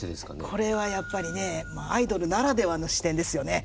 これはやっぱりねアイドルならではの視点ですよね。